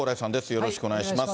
よろしくお願いします。